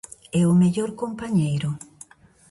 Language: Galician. E o mellor compañeiro?